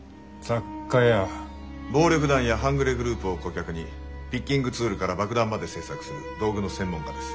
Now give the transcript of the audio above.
暴力団や半グレグループを顧客にピッキングツールから爆弾まで製作する道具の専門家です。